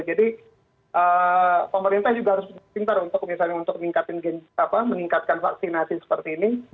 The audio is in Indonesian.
jadi pemerintah juga harus berpikir untuk misalnya untuk meningkatkan vaksinasi seperti ini